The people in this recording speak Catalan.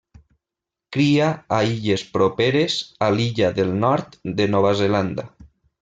Cria a illes properes a l'Illa del Nord de Nova Zelanda.